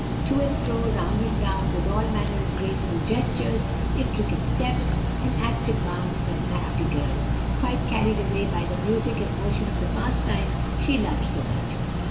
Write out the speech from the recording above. To and fro, round and round, with all manner of graceful gestures, intricate steps, and active bounds went the happy girl, quite carried away by the music and motion of the pastime she loved so much.